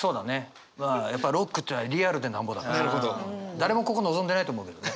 誰もここ望んでないと思うけどね。